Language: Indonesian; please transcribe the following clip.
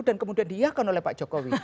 dan kemudian diiakan oleh pak jokowi